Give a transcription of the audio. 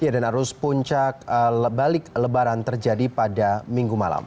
dan arus puncak balik lebaran terjadi pada minggu malam